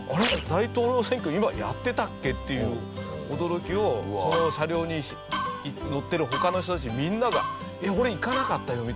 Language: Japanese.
大統領選挙今やってたっけ？」っていう驚きをその車両に乗っている他の人たちみんなが「俺行かなかったよ